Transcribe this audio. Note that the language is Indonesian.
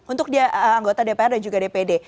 untuk dia anggota dpr dan juga dpd